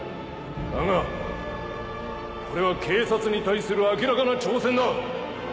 だがこれは警察に対する明らかな挑戦だ！